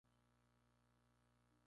Los días pasan lentamente.